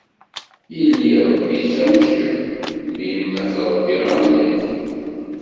Yelli rebbi-tt am kemm, mmi ad t-rebbiɣ am nekk.